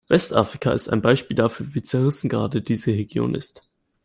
Westafrika ist ein Beispiel dafür, wie zerrissen gerade diese Region ist.